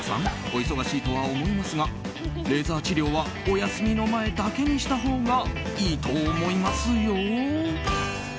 お忙しいとは思いますがレーザー治療はお休みの前だけにしたほうがいいと思いますよ。